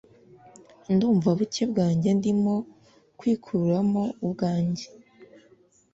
Ndumva buke bwanjye ndimo kwikuramo ubwanjye